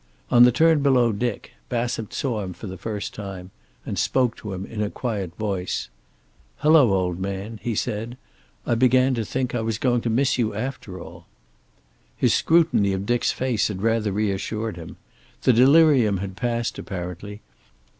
On the turn below Dick, Bassett saw him for the first time, and spoke to him in a quiet voice. "Hello, old man," he said. "I began to think I was going to miss you after all." His scrutiny of Dick's face had rather reassured him. The delirium had passed, apparently.